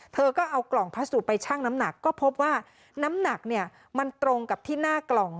เธอก็เอากล่องพัสดุไปชั่งน้ำหนักก็พบว่าน้ำหนักเนี่ยมันตรงกับที่หน้ากล่อง